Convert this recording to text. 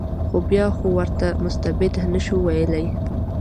بیا خو ورته مستبد نه شو ویلای.